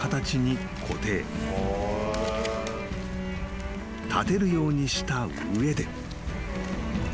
［立てるようにした上で］